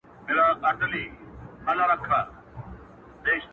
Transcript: غواړم د پېړۍ لپاره مست جام د نشیې .